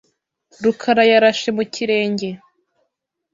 rukarayarashe mu kirenge.